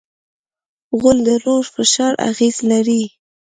غول د لوړ فشار اغېز لري.